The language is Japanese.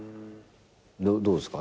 どうですか？